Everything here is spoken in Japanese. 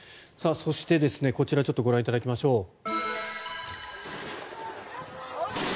そして、こちらちょっとご覧いただきましょう。